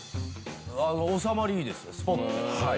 収まりいいですねスポッと。